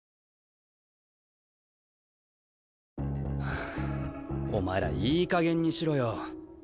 あお前らいいかげんにしろよ。